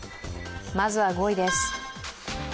まずは５位です。